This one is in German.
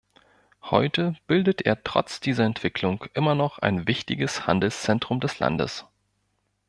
Heute bildet er trotz dieser Entwicklung immer noch ein wichtiges Handelszentrum des Landes.